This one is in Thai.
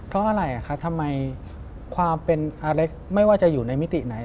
เพราะอะไรคะทำไมความเป็นอเล็กซ์ไม่ว่าจะอยู่ในมิติไหน